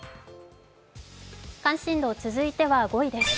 関心度、続いては５位です。